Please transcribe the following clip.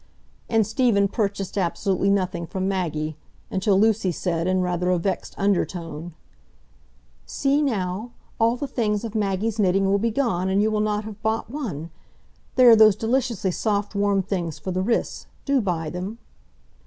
And Stephen purchased absolutely nothing from Maggie, until Lucy said, in rather a vexed undertone,— "See, now; all the things of Maggie's knitting will be gone, and you will not have bought one. There are those deliciously soft warm things for the wrists,—do buy them."